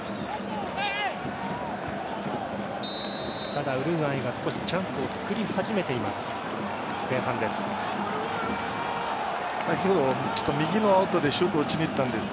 ただ、ウルグアイが少しチャンスを作り始めています。